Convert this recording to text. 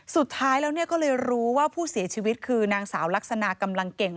สุดท้ายแล้วก็เลยรู้ว่าผู้เสียชีวิตคือนางสาวลักษณะกำลังเก่ง